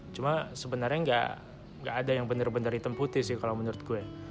cuma sebenarnya nggak ada yang benar benar hitam putih sih kalau menurut gue